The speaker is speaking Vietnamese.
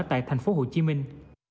tại thành phố hồ chí minh